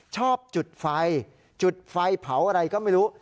ชอบจุดไฟจุดไฟเผาอะไรก็ไม่รู้